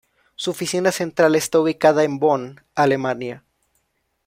Su oficina central está ubicada en Bonn, Alemania.